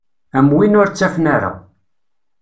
Am win ur ttafen ara.